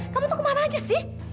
kamu mau kemana aja sih